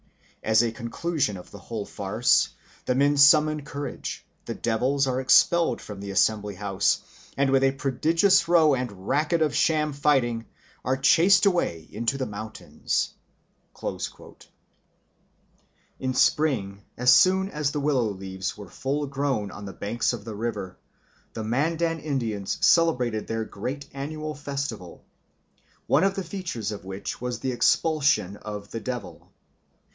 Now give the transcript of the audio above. As a conclusion of the whole farce, the men summon courage, the devils are expelled from the assembly house, and with a prodigious row and racket of sham fighting are chased away into the mountains." In spring, as soon as the willow leaves were full grown on the banks of the river, the Mandan Indians celebrated their great annual festival, one of the features of which was the expulsion of the devil.